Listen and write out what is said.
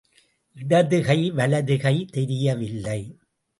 இடது கை வலது கை தெரியவில்லை.